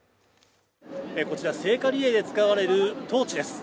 こちら聖火リレーで使われるトーチです